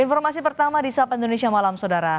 informasi pertama di sapa indonesia malam saudara